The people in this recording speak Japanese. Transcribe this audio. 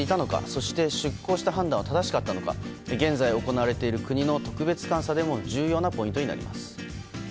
そして出航した判断は正しかったのか現在行われている国の特別監査でも重要なポイントになります。